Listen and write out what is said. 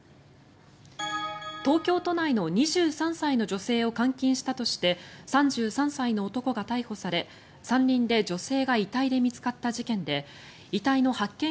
東京都内の２３歳の女性を監禁したとして３３歳の男が逮捕され山林で女性が遺体で見つかった事件で遺体の発見